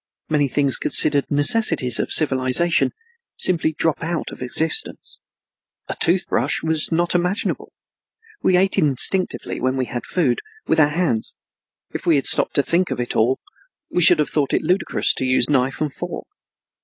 Many things considered necessities of civilization simply drop out of existence. A toothbrush was not imaginable. We ate instinctively, when we had food, with our hands. If we had stopped to think of it at all, we should have thought it ludicrous to use knife and fork.